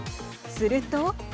すると。